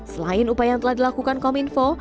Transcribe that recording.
selain upaya yang telah dilakukan kominfo